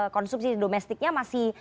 konsumsi domestiknya masih